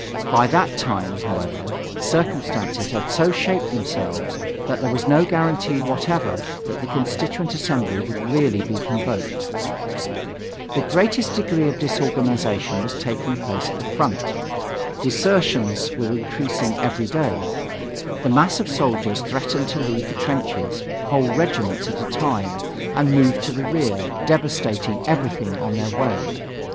By that time, however, circumstances had so shaped themselves that there was no guarantee whatever that the Constituent Assembly would really be convoked. The greatest degree of disorganization was taking place at the front. Desertions were increasing every day; the masses of soldiers threatened to leave the trenches, whole regiments at a time, and move to the rear, devastating everything on their way.